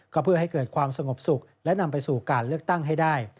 ก็เพื่อให้เกิดความสงบสุขและนำไปสู่การเลือกตั้งให้ได้